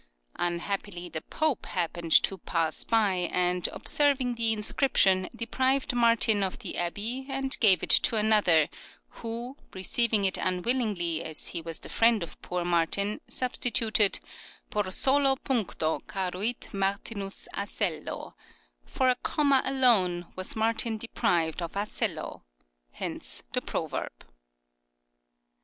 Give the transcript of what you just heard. Unhappily the Pope happened to pass by, and, observing the inscription, deprived Martin of the abbey and gave it to another, who, receiving it unwillingly, as he was the friend of poor Martin, substituted " Pro solo puncto caruit Martinus Asello "(" For a comma alone was Martin deprived of Asello "), hence the proverb.